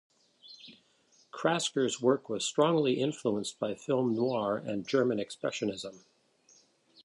Krasker's work was strongly influenced by film noir and German Expressionism.